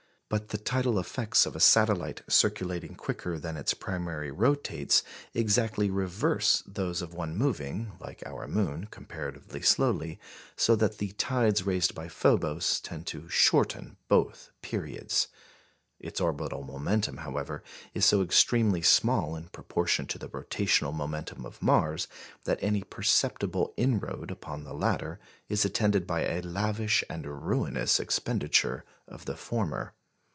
But the tidal effects of a satellite circulating quicker than its primary rotates exactly reverse those of one moving, like our moon, comparatively slowly, so that the tides raised by Phobos tend to shorten both periods. Its orbital momentum, however, is so extremely small in proportion to the rotational momentum of Mars, that any perceptible inroad upon the latter is attended by a lavish and ruinous expenditure of the former.